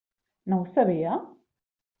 No ho sabia?